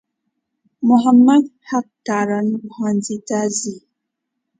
محمد حق تارڼ پوهنځي ته ځي.